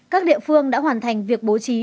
các địa phương đã hoàn thành việc bố trí